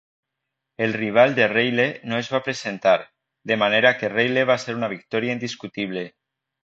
El rival de Reile no es va presentar, de manera que Reile va ser una victòria indiscutible.